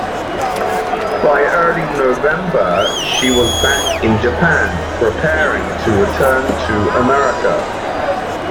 By early November, she was back in Japan, preparing to return to America.